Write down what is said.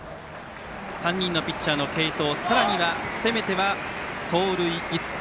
３人のピッチャーの継投さらには攻めては盗塁５つ。